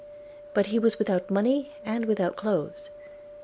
– But he was without money, and without clothes.